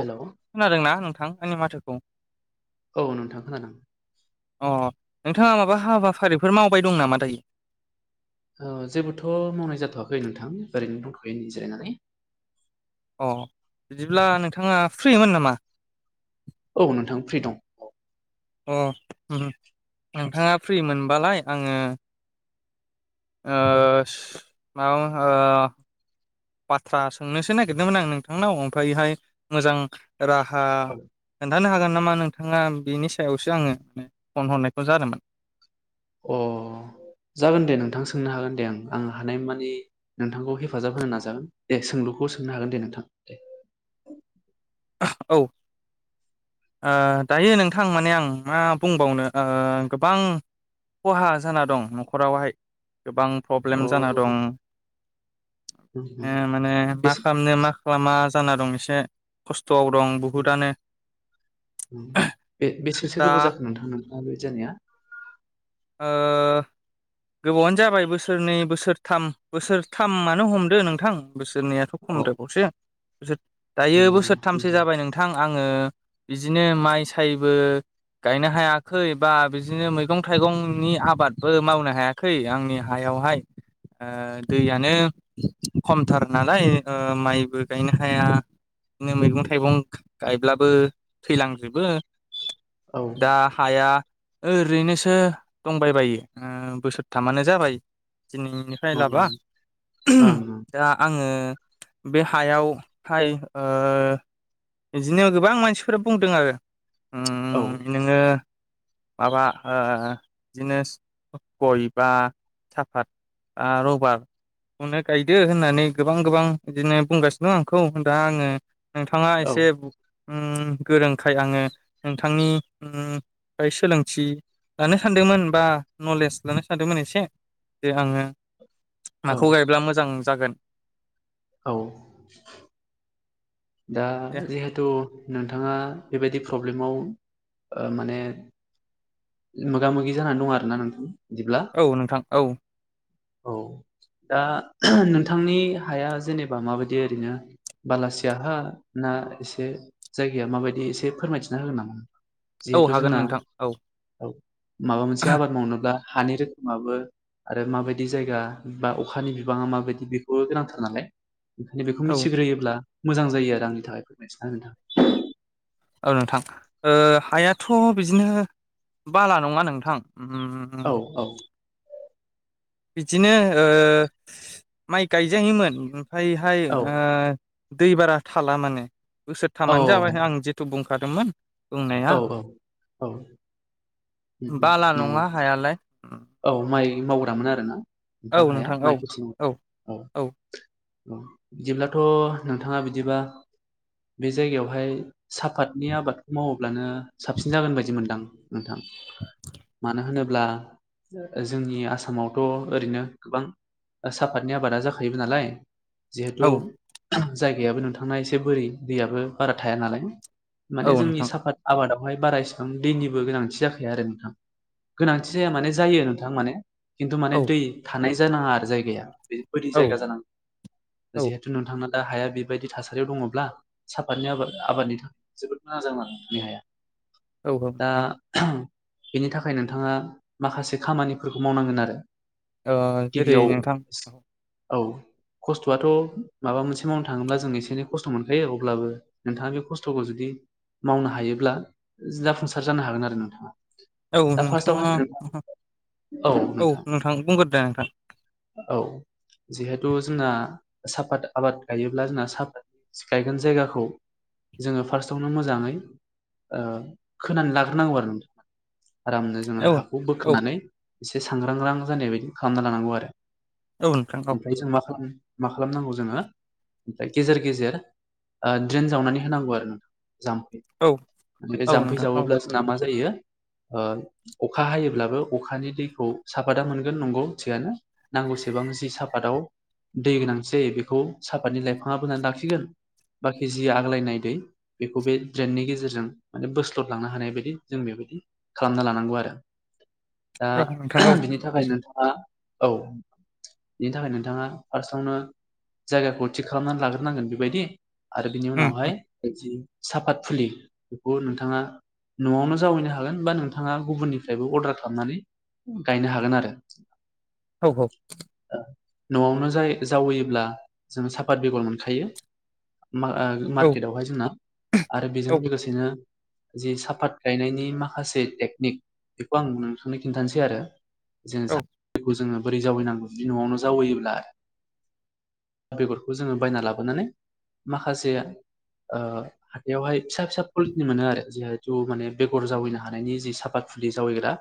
Hello खोनादोंना नोंथां आंनि माथोखौ । औ नोंथां खोनादों। अ नोंथाङा माबा हाबाफारिफोर मावबाय दं नामा दायो। औ जेबोथ' मावनाय जाथ'वाखै नोंथां ओरैनो दथ'यो नै जिरायनानै। अ बिदिब्ला नोंथाङा फ्रिमोन नामा। औ नोंथां फ्रि दं। अ नोंथाङा फ्रि मोनबालाय आङो ओ स ओ मा बाथ्रा सोंनोसो नागिरदोंमोन आं नोंथांनाव ओमफायहाय मोजां। राहा औ खोनथानो हागोन। नामा नोंथांङा बिनि सायावसो आंङो नै फन हरनायखौ जादोंमोन। अ जागोन दे नोंथां सोंनो हागोन दे ओं आं हानायमानि । लुखौ सोंनो हागोन दे नोंथां। औ ओ दायो नोंथां माने आं मा बुंबावनो ओ गोबां। खहा जाना दं न'खरावहाय गोबां प्रब्लेम अ जाना दं। उम उम ओ माने मा बेसे खामनो मा खालामा जाना दं एसे खस उम्म उम्म बे बेसोसो दा गोबाव जाखो नोंथां नों माबे जानाया। ओ गोबावानो जाबाय बोसोरनै बोसोरथाम बोसोरथामानो हमदो नोंथां। बोसोरनैयाथ औ खमद्रायबावसो बोसोर दायो नंगौ बोसोरथामसो नंगौ। जाबाय नोंथां। आंङो बिदिनो माइ सायबो गायनो हायाखै बा बिदिनो मैगं। थाइगंनि आबादबो मावनो हायाखै आंनि हायावहाय। ओ दैयानो खमथार नालाय ओ माइबो गायनो हाया। नो मैगं थाइगं गायब्लाबो थैलांजोबो। औ दा हाया ओरैनोसो। थो दंबाय बायो ओ बोसोरथामानो जाबाय। दिनैनिफ्राय औ लाबा ओं ओं दा आंङो। बे हायाव हाय ओ इदिनो गोबां मानसिफोरा बुंदों आरो। औ उम्म नोंङो माबा ओ बिदिनोस गय बा साफात आ रबार। अनो गायदो होननानै गोबां गोबां इदिनो बुंगासिन दं आंखौ होन दां आंङो नोंथांङा औ एसे उम्म गोरोंखाय आंङो नोंथांनि उम्म फाय सोलोंथि। लानो सानदोंमोन बा नलेस लानो सानदोंमोन एसे दे आंङो औ माखौ गायब्ला मोजां जागोन। औ दा दे जिहेथु नोंथांङा बेबायदि। प्रब्लेमाव ओ माने मोगा मोगि जानान दं आरोना नोंथां। बिदिब्ला औ नोंथां औ। औ [inaudible] दा नोंथांनि हाया जेनेबा माबायदि ओरैनो। बालासिया हा ना एसे जायगाया माबायदि एसे फोरमायथिना होगोन नामा। औ जिहेतु हागोन जोंना नोंथां औ औ। माबा मोनसे आबाद मावनोब्ला हानि रोखोमाबो आरो माबायद दि जायगा बा अखानि बिबांङा माबायदि बेखौ गोनांथार नालाय। बिदिनो बेखौ औ मिथिग्रोयोब्ला मोजां जायो आरो आंनि थाखाय फोरमाय थिनो नोंथां। औ नोंथां ओ हायाथ' बिदिनो बाला नंङा नोंथां। ममम औ औ बिदिनो ओ माइ गायजायोमोन ओमफायहाय औ ओ दै बारा थाला माने बोसोरथामानो जाबाय आं जेथु बुंखादोंमोन। बुंनाया औ-औ-औ। मम-मम बाला नंगौ नङा हायालाय औ माइ मावग्रामोन आरो ना। औ नोंथां हाया औ माइकिसिं औ ओ। औ बिदिब्लाथ' नोंथांङा बिदिबा। बे जायगायावहाय साफातनि आबादखो मावो। अब्लानो साबसिन जागोन बायदि मोनदां नोंथां मानो होनोब ब्ला जोंनि आसामावथ' ओरैनो गोबां सापातनि आबादा जाखायोबो नालाय। जिहेथु औ जायगायाबो नोंथांना एसे बोरि दैयाबो बारा थाया नालाय। औ माने जोंनि नोंथां साफात आबादावहाय बारा इसिबां दैनिबो गोनांथि जाखाया आरो नोंथां गोनांथि जाया माने जायो नोंथां मानो। खिन्थु माने औ दै थानाय जानाङा आरो जायगाया बे बायदि औ जायगा जानांगौ औ जिहेथु नोंथांना। दा हाया बेबायदि थासारियाव दङब्ला साफतनि आबाद आबादनि थाखाय जोबोद मोजां जागोन बे हाया। औ दा नोंथां बेनि थाखाय नोंथाङा माखासे खामानिफोरखौ मावनांगोन आरो। ओह जेरै गिबियाव नोंथां औ खस्थ'आथ' माबा मोनसे मावनो थाङोब्ला जों एसे एनै खस्थ' मोनखायो अब्लाबो नोंथाङा बे खस्थ'खौ जुदि मावनो हायोब्ला जाफुंसार जानो हागोन आरो नोंथाङा। औ दा नोंथाङा फार्स्टआवहाय औ नोंथां औ जिहाय थ' जोंना साफात आबाद गायोब्ला जोंना साफत गायगोन जायगाखौ जोङो फार्स्टआवनो मोजाङै ओह खोनानानै लाग्रोनांगौ आरो नोंथां आरामनो जोङो औ हाखौ औ बोखोनानै एसे सांग्रांग्रां जानाय बायदि खालामना लानांगौ आरो। औ नोंथां औ ओमफ्राय जों मा खालाम मा खालामनांगौ जोङो फ्राय गेजेर गेजेर ओह ड्रेन जावनानै होनांगौ आरो नों जाम्प औ बेनिफाय औ जाम्फै नोंथां औ जावौब्ला जोंना मा जायो ओ अखा हायोब्लाबो अखानि दैखौ साफादा मोनगोन नंगौ थिगानो। नांगौसेबां जि सापाताव दै गोनांथि जायो बेखौ साफातनि लाइफाङा बोनानै लाखिगोन बाखि जि आग्लायनाय दै बेखौ बे ट्रेननि गेजेरजों माने बोस्लद लांनो हानाय बायदि जों बेबायदि खालामना लानांगौ आरो। दा औ नोंथां औ बिनि थाखाय नोंथाङा औ बिनि थाखाय नोंथाङा फार्स्टआवनो जायगाखौ थिग खालामनानै लाग्रोनांगोन बेबायदि आरो बिनि उम उनावहाय साफात फुलि बेखौ नोंथाङा न'आवनो जावैनो हागोन बा नोंथाङा गुबुननिफ्रायबो अर्डार खालामनानै गायनो हागोन आरो। औ-औ न'आवनो जाय जावैयोब्ला जों साफात बेगर मोनखायो। मा ओह औ मार्केटावहाय जोंना आरो बेजों औ लोगोसेनो। जि साफात गायनायनि माखासे टेकनिक बेखौ आं नोंथांनो खिन्थानोसै आरो जोङो औ साफात खौ जोङो बोरै जावैनांगौ बे न'आवनो जावैयोब्ला बेगरखौ जोङो बायना लाबोनानै माखासे ओ हाथायावहाय फिसा फिसा कुलिटिनि मोनो आरो जिहेथु माने बेगर जावैनो हानायनि जि साफात खुलि जावैग्रा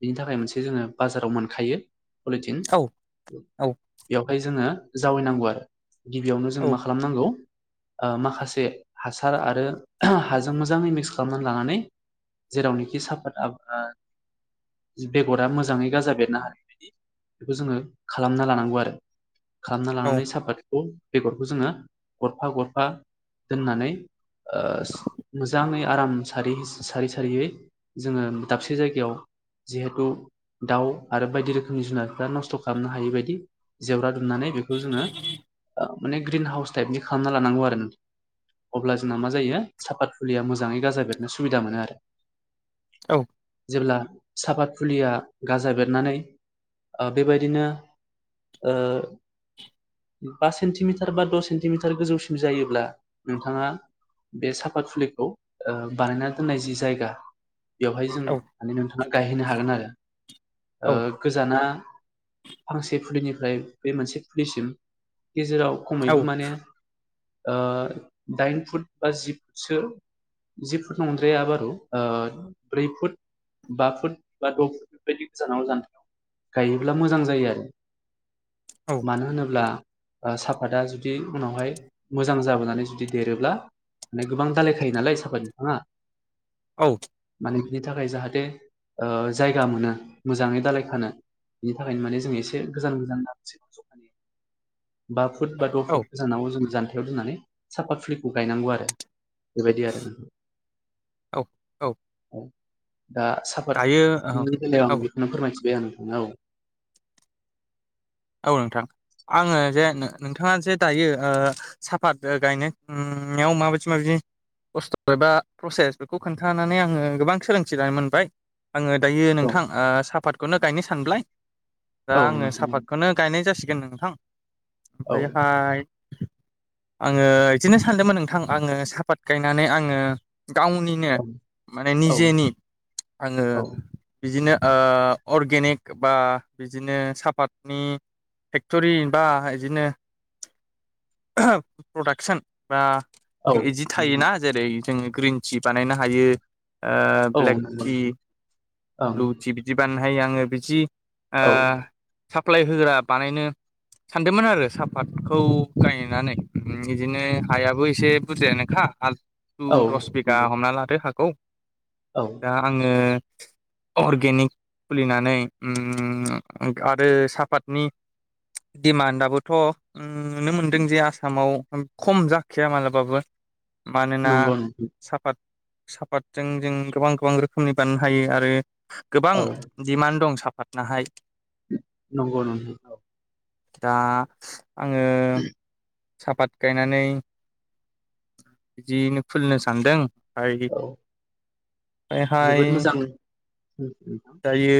बिनि थाखाय मोनसे जोङो बाजाराव मोनखायो। पलिटिन बेवहाय जोङो जावैनांगौ आरो। गिबियावनो जों मा खालामनांगौ ओ माखासे हास सार आरो हाजों मोजाङै मिक्स खालामनानै लानानै जेरावनोखि साफात [unintelligible] बेगरा मोजाङै गाजा बेरनो हानायबायदि बेखौ जोङो खालामना लानांगौ आरो खालामना औ लानानै सापातखौ बेगरखौ जोङो गरफा गरफा दोननानै ओस मोजाङै आराम सारि सारै सारैयै जोङो दाबसे जायगायाव जिहेथु दाउ आरो बायदि रोखोमनि जुनारफ्रा नस्थ' खालामनो हायि बायदि जेवरा दुमनानानै बेखौ जों ओह मानि ग्रिनहाउस थाइपनि बानायना लानांगौ आरो अब्लासो ना मा जायो साफाद फुलिया मोजाङै गाजा बेरनो सुबिदा मोनो आरो औ जेब्ला साफात फुलिया गाजा बेरनानै ओ बेबायदिनो ओ बा सेन्टिमिटार बा द' सेन्टिमिटार गोजौसिम जायोब्ला नोंथाङा बे साफात फुलिखौ ओ बानायना दोननाय जि जायगा बेवहाय जों औ [unintelligible] गायहैनो हागोन आरो औ ओ गोजाना फांसे फुलिनिफ्राय बे मोनसे फुलिसिम गेजेराव खमैबो औ माने दाइन ओ फुट बा जि फुटसो जि फुट नंद्राया बारु ब्रै फुट बा फुट बा द' फुट बेफोरबायदि गोजानाव [unintelligible] गायोब्ला मोजां जायो आरो। औ मानो होनोब्ला ओ साफाता जुदि उनावहाय मोजां जाबोनानै जुदि देरोब्ला माने गोबां दालायखायो नालाय साफा बिफाङा औ आरो बिनि थाखाय जाहाथे ओ जायगा मोनो मोजाङै दालाय खानो बिनि थाखायनो माने जों एसे गोजान गोजान [unintelligible] जखानि [inaudible] बा फुट बा द' फुट गोजानाव जों जान्थायाव दोननानै साफात फुलिखौ गायनांगौ आरो। बेबायदि आरो ना। औ औ दा दायो औ साफातनि बेलायाव औ आं बेखौनो फोरमायथिबाय आं नोंथां औ। औ नोंथां आङो जे नोंथाङा जे दायो ओ साफात गायनायाव उम माबायदि माबायदि खस्थ' एबा प्रसेस बेखौ खोनथानानै आङो गोबां सोलोंथि लानो मोनबाय। आङो दायो औ नोंथां ओ साफातखौनो गायनो सानब्लाय दा औ आङो नोंथां साफात गायनाय जासिगोन नोंथां औ ओमफ्रायहाय आङो बिदिनो सानदोंमोन नोंथां आङो साफात गायनानै आङो गावनिनो माने औ निजेनि आङो औ बिदिनो ओ अरगेनिक बा बिदिनो सापात नि फेक्ट'रि बा बिदिनो प्रडाक्सन बा औ बिदि नोंथां थायोना जेरै जोङो ग्रिन टि बानायनो हायो ओ औ ब्लेक नंगौ टि नोंथां ओं ब्लु टि बिदि बानायनो हायो आङो बिदि ओ औ साप्लाइ होग्रा बानायनो सानदोंमोन आरो सापातखौ गायनानै बिदिनो हायाबो एसे बुरजायानोखा। आललु औ दस बिगा नंगौ हमना लादो हाखौ औ दा आङो अरगेनिक खुलिनानै उम आरो साहपातनि दिमान्डआबोथ' उम नुनो मोनदों जे आसामाव खम जाखाया मालाबाबो मानोना नंगौ नोंथां सापात सापातजों जों गोबां गोबां रोखोमनि बानायनो हायो आरो गोबां औ दिमान्ड दं सा पातनाहाय नंगौ [unintelligible] दा आङो सापात गायनानै बिदियैनो खुलिनो सानदों हाय औ ओमफ्राय हाय जोबोद मोजां दायो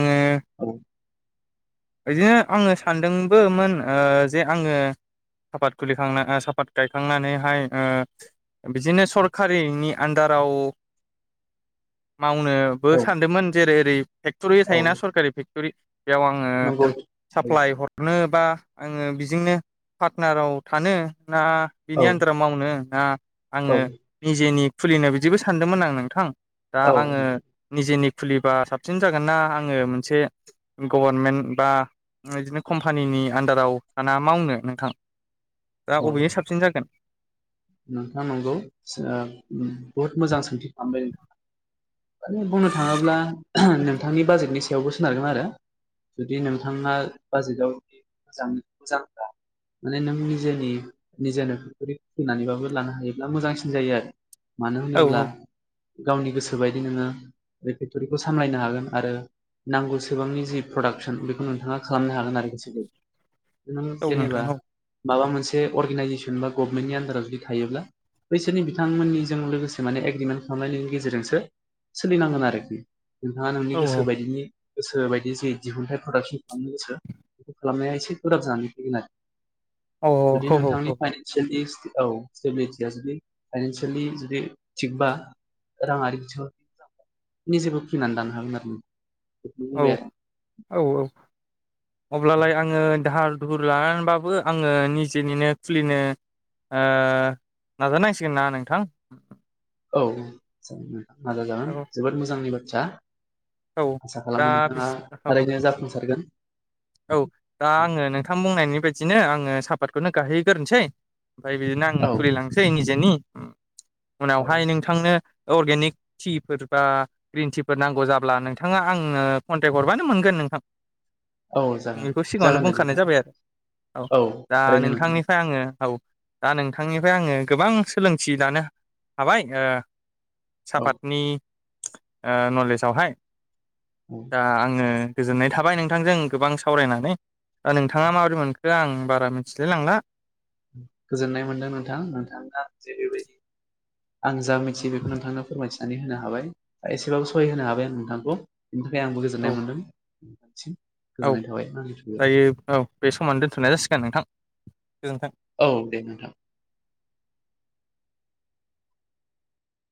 आङो [unintelligible] बिदिनो आङो सानदोंबोमोन जे आङो सापात खुलिखांना सापात गायखांनानैहाय बिदिनो सरकारिनि आन्दाराव मावनोबो औ सानदोंमोन जेरै ओरै फेक्टरि औ थायोना सरकारि फेक्टरि बेयाव आङो नंगौ औ साप्लााय हरनो बा आङो बिजोंनो पार्टनाराव थानो ना बिनि औ आन्दाराव मावनो ना आङो औ निजेनि खुलिनो बिदिबो सानदोंमोन आं नोंथां दा औ आङो निजेनि खुलिबा साबसिन जागोन नना आङो मोनसे गभारनमेन्ट बा बिदिनो कम्पानिनि आन्दाराव दाना मावनो नोंथां दा अबेओ साबसिन जागोन नोंथाङा नंगौ बहुद मोजां सोंथि खालामबाय नोंथाङा माने बुंनो थाङोब्ला नोंथांनि बाजेटनि सायावबो सोनारगोन आरो जुदि नोंथाङा बाजेटावजुदि मोजां मोजांब्ला माने नों निजेनि निजेनो पेक्टरि फैनानैबाबो लानो हायोब्ला मोजांसिन जायो आरो मानो औ होनोब्ला औ गावनि गोसो बायदि नोङो बे फेक्टरिखौ सामलायनो हागोन आरो नांगौसेबांनि जि प्रडाक्सन बेखौ नोंथाङा खालामनो हागोन आरो गोसोबोै नों औ जेनेबा नोंथां औ माबा मोनसे अर्गेनाइजेसन बा गभमेनि जुदि थायोब्ला बैसोरनि बिथांमोननिजों लोगोसे माने एग्रिमेन्ट खालामनायनि गेजेरजोंसो सोलिनांगोन आरोखि नोंथाङा औ नोंनि गोसो बायदिनि गोसो बायदि जे दिहुनथाइ प्रदाक्सन खालामनो गोसो बेखौ खालामनाया एसे गोब्राब जानानै फैगोन आरो औ जुदि औ नोंथांनि फाइनसियेल औ स्टेबिलिटिया जुदि फाइनानसियेलि जुदि थिगबा राङारि बिथिंआव निजेबो फिनानै लानो हागोन आरो न औ औ औ अब्लालाय आङो दाहार दुहुर लानानैबाबो आङो निजेनिनो खुलिनो ओ नाजानांसिगोन ना नोंथां औ जाग औ नाजाजागोन जोबोद मोजांनि बाथ्रा औ आसा दा खालामो नोंथाङा औ ओारैनो जाफुंसारगोन औ दा आङो नोंथां बुंनायनि बायदिनो आङो सापातखौनो गाहैगोरोसै ओमफफ्राय बिदिनो आं औ खुलिलांसै निजेनि औ उनावहाय नोंथांनो अर्गेनिक टिफोर बा ग्रिन टिफोर नांगौ जाब्ला नोंथाङा आंनो कन्टेक्ट हरबानो मोनगोन नोंथां औ जागोन बेखौ सिगाङावनो जागोन दे बुंखानाय नोंथां जाबाय आरो औ दा थारैनो नोंथां नोंथांनिफ्राय आङो औ दा नोंथांनिफ्राय आङो गोबां सोलोंथि लानो हाबाय ओ औ सापातनि ओ नलेजावहाय औ दा आङो गोजोननाय थाबाय नोंथांजों गोबां सावरायनानै दा नोंथाङा माबोरै मोनखो आं बारा मिथिलाय लांला गोजोननाय मोनदों नोंथां नोंथाङा जे बेबायदि आं जा मिथियो बेखौ नोंथांनो फोरमायथिनानै होनो हाबाय दा एसेबाबो सहाय होनो हाबाय आं नोंथांखौ बेनि थाखाय आंबो औ गोजोननाय मोन्दों बसि औ दायो औ बे समाव दोन्थ'नाय जासिगोन नोंथां गोजोनथों औ दे नोंथां